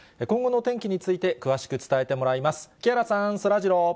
今後の天気について、詳しく伝えてもらいます。